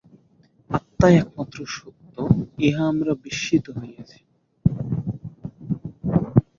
আত্মাই একমাত্র সত্য, ইহা আমরা বিস্মৃত হইয়াছি।